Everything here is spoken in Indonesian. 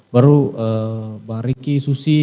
baru bang riki susi